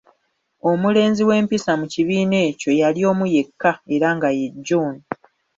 Omulenzi w’ompisa mu kibiina ekyo yali omu yekka era nga ye John.